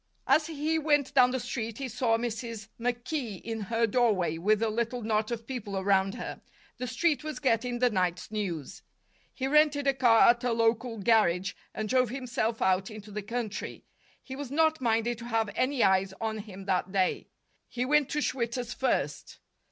As he went down the Street, he saw Mrs. McKee in her doorway, with a little knot of people around her. The Street was getting the night's news. He rented a car at a local garage, and drove himself out into the country. He was not minded to have any eyes on him that day. He went to Schwitter's first.